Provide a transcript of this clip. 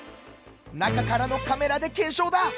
中からのカメラで検証だ！